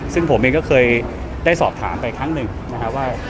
ซึ่งผมเองก็เคยได้สอบถามไปครั้งหนึ่งนะครับว่า